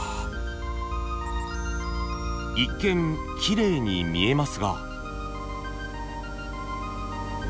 一見きれいに見えますが。